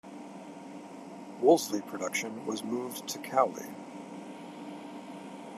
Wolseley production was moved to Cowley.